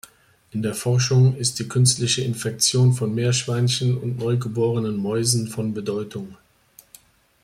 In der Forschung ist die künstliche Infektion von Meerschweinchen und neugeborenen Mäusen von Bedeutung.